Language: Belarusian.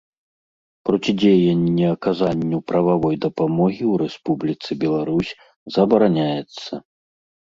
Процідзеянне аказанню прававой дапамогі ў Рэспубліцы Беларусь забараняецца.